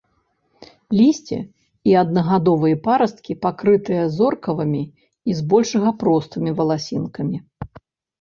Лісце і аднагадовыя парасткі пакрытыя зоркавымі і збольшага простымі валасінкамі.